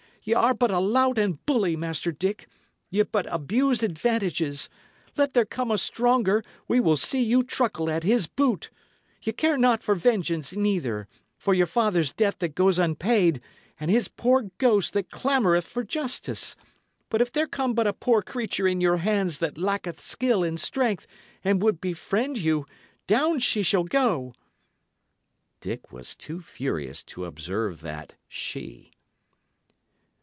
"Y' are but a lout and bully, Master Dick; ye but abuse advantages; let there come a stronger, we will see you truckle at his boot! Ye care not for vengeance, neither for your father's death that goes unpaid, and his poor ghost that clamoureth for justice. But if there come but a poor creature in your hands that lacketh skill and strength, and would befriend you, down she shall go!" Dick was too furious to observe that "she."